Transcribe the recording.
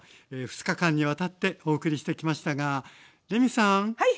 ２日間にわたってお送りしてきましたがレミさん。